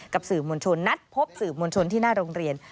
กับสื่อมวลชนนัดพบสื่อมวลชนที่หน้าโรงเรียน